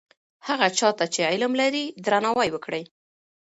هغه چا ته چې علم لري درناوی وکړئ.